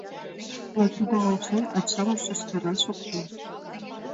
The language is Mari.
Но тидым ончен, ачам ушештараш ок лий.